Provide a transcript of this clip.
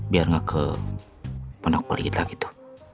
biar gak ke pendok pelita gitu